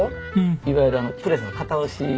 いわゆるあのプレスの型押し。